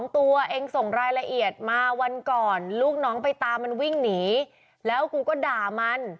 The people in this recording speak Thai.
ตัวเองส่งรายละเอียดมาวันก่อนลูกน้องไปตามมันวิ่งหนีแล้วกูก็ด่ามัน